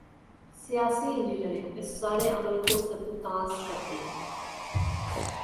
'سیاسی انجینئرنگ‘ اس سارے عمل کو سبوتاژ کر دے گی۔